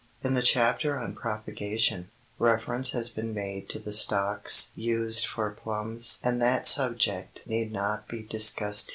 In the chapter on propagation, reference has been made to the stocks used for plums and that subject need not be discussed here.